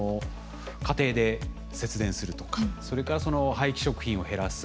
家庭で節電するとかそれから廃棄食品を減らす。